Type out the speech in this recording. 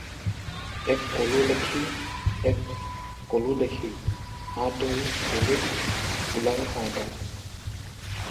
এক ক'লো লেখি, এক ক'লো দেখি, হা দৈ বোলোত ওলাল হাৰডাল।